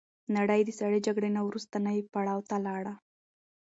نړۍ د سړې جګړې نه وروسته نوي پړاو ته لاړه.